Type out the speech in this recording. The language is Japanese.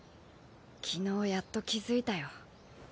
昨日やっと気づいたよ。